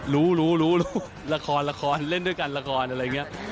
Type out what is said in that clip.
รู้ราคอนเล่นด้วยกันราคอนอะไรอย่างนี้